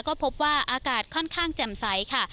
ก็พบว่าอากาศค่อนข้างแจ่มใสค่ะ